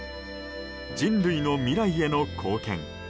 人類の未来への貢献。